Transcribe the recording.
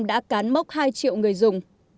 đã cán mốc hai triệu người dùng